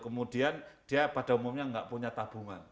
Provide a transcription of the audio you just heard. kemudian dia pada umumnya nggak punya tabungan